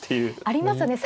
ありますよね